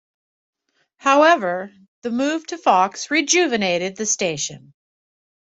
However, the move to Fox rejuvenated the station.